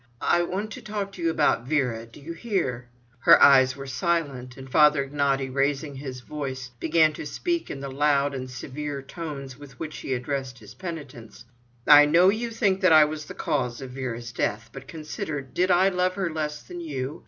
I want to talk to you about Vera. Do you hear?" Her eyes were silent, and Father Ignaty raising his voice began to speak in the loud and severe tones with which he addressed his penitents: "I know you think that I was the cause of Vera's death. But consider, did I love her less than you?